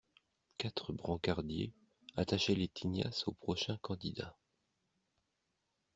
Quatre brancardiers attachaient les tignasses au prochain candidat.